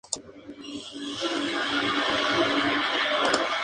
Dientes del cáliz ausentes o diminutos.